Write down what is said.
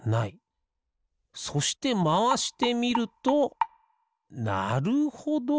そしてまわしてみるとなるほど。